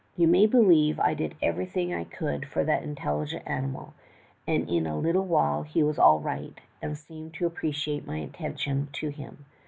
You may believe I did everything I could for that intelligent animal, and in a little while, he was all right, and seemed to appreciate my attention to him.